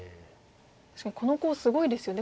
確かにこのコウすごいですよね。